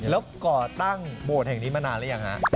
แล้วก่อตั้งโบสถ์แห่งนี้มานานหรือยังฮะ